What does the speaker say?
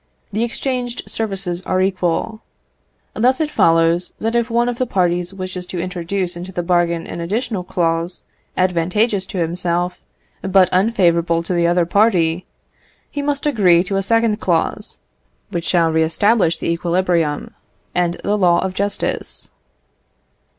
The exchanged services are equal. Thus it follows, that if one of the parties wishes to introduce into the bargain an additional clause, advantageous to himself, but unfavourable to the other party, he must agree to a second clause, which shall re establish the equilibrium, and the law of justice.